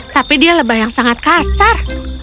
tapi dia lebah yang sangat kasar